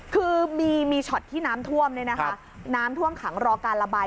คือมีช็อตที่น้ำท่วมน้ำท่วมขังรอการระบาย